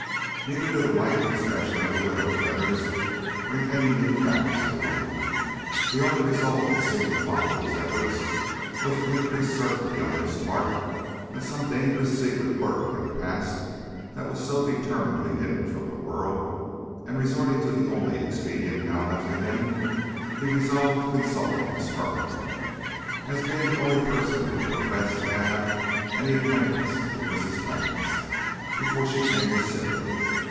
Neither did a like inspection of the widow's letters bring any new facts to light. The only result which seemed to follow these efforts was an increased certainty on his part that some dangerous secret lurked in a past that was so determinedly hidden from the world, and resorting to the only expedient now left to him, he resolved to consult Miss Firman, as being the only person who professed to have had any acquaintance with Mrs. Clemmens before she came to Sibley.